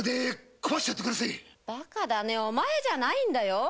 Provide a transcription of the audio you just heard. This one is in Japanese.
バカだねお前じゃないんだよ。